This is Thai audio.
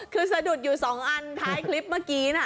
คือสะดุดอยู่๒อันท้ายคลิปเมื่อกี้นะ